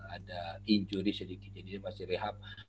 ada injury sedikit jadi masih rehab